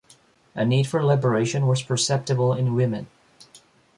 A need for liberation was perceptible in women.